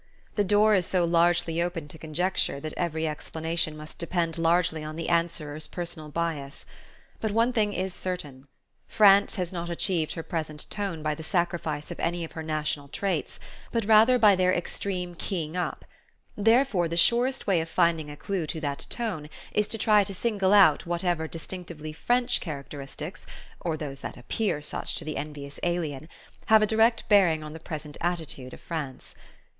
The door is so largely open to conjecture that every explanation must depend largely on the answerer's personal bias. But one thing is certain. France has not achieved her present tone by the sacrifice of any of her national traits, but rather by their extreme keying up; therefore the surest way of finding a clue to that tone is to try to single out whatever distinctively "French" characteristics or those that appear such to the envious alien have a direct bearing on the present attitude of France.